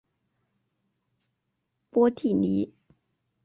波蒂尼。